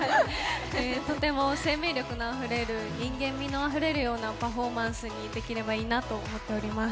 とても生命力のあふれる、人間味のあふれるようなパフォーマンスにできればいいなと思っております。